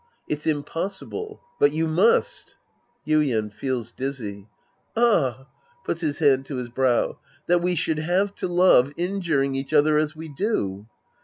It's impossible. But you must 1 Yuien {feels dizzy). Ah I {Puts his hand to his l>row.) That we should have to love, injuring each other as we do